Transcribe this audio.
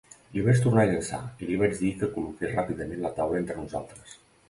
L'hi vaig tornar a llançar i li vaig dir que col·loqués ràpidament la taula entre nosaltres.